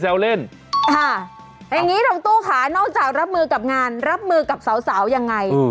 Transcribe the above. อย่างนี้ทางตู้ค่ะนอกจากรับมือกับงานรับมือกับสาวยังไง